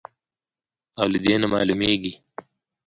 او له دې نه معلومېږي،